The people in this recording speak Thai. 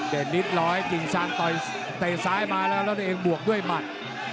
เดนลิส๑๐๐กิงซังต่อยซ้ายมาแล้วนั่นเองบวกด้วยมัน